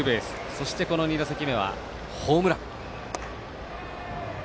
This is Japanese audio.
そして、２打席目はホームラン。